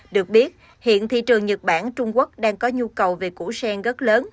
được biết hiện thị trường nhật bản trung quốc đang có nhu cầu về củ sen rất lớn